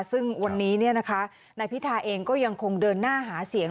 ซึ่งวันนี้นายพิธาเองก็ยังคงเดินหน้าหาเสียง